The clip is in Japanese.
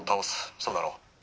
そうだろ？」。